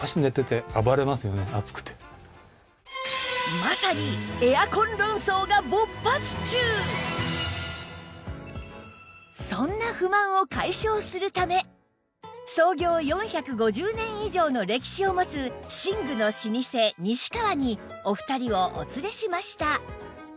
まさにそんな不満を解消するため創業４５０年以上の歴史を持つ寝具の老舗西川にお二人をお連れしました